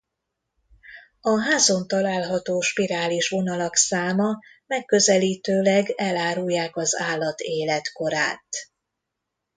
A házon található spirális vonalak száma megközelítőleg elárulják az állat életkorát.